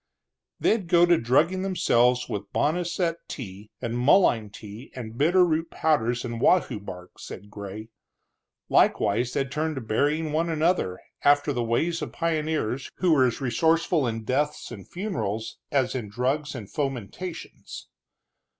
They'd go to drugging themselves with boneset tea, and mullein tea, and bitter root powders and wahoo bark, said Gray. Likewise, they'd turn to burying one another, after the ways of pioneers, who were as resourceful in deaths and funerals as in drugs and fomentations.